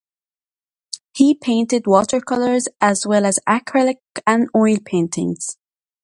He painted watercolors as well as acrylic and oil paintings.